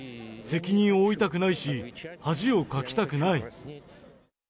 責任を負いたくないし、恥をかきたくない。